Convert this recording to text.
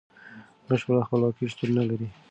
بشپړه خپلواکي شتون نلري.